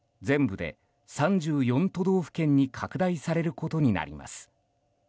全部で３４都道府県に拡大されることになります。